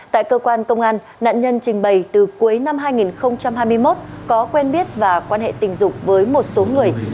tại cơ quan công an nạn nhân trình bày từ cuối năm hai nghìn hai mươi một có quen biết và quan hệ tình dục với một số người